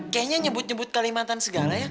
kayaknya nyebut nyebut kalimantan segala ya